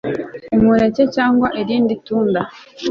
umuneke cyangwa irindi tunda